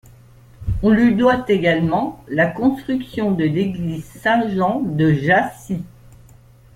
On lui doit également la construction de l’église Saint Jean de Jassy.